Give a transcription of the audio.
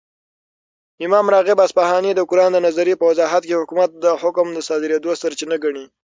،امام راغب اصفهاني دقران دنظري په وضاحت كې حكومت دحكم دصادريدو سرچينه ګڼي